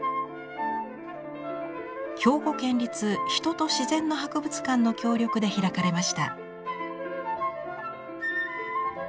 兵庫県立人と自然の博物館の協力で開かれました。